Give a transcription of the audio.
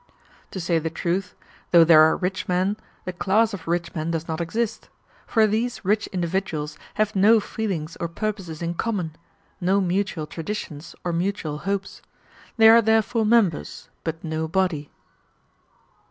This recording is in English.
To say the truth, though there are rich men, the class of rich men does not exist; for these rich individuals have no feelings or purposes in common, no mutual traditions or mutual hopes; there are therefore members, but no body.